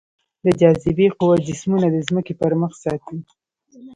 د جاذبې قوه جسمونه د ځمکې پر مخ ساتي.